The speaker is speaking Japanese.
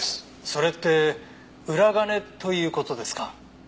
それって裏金という事ですか？